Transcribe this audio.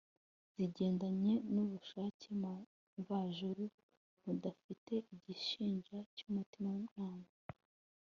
zigendanye nubushake mvajuru mudafite igishinja cyumutimanama